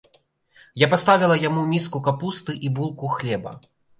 Я паставіла яму міску капусты і булку хлеба.